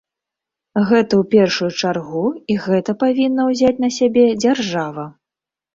Гэта ў першую чаргу, і гэта павінна ўзяць на сябе дзяржава.